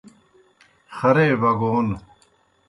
خرے بگون